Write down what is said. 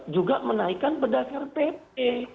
juga menaikkan berdasar pp